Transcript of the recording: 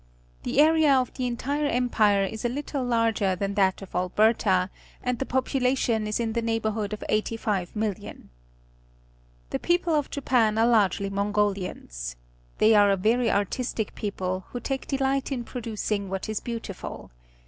The area of the entire Empire is a little larger than that of Alberta, and the population is in the neighbourhood of 85,000,000. The people of Japan are largely Mongo lians. They are a very artistic people, who take delight in producing what is beautiful.